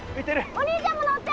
お兄ちゃんも乗って。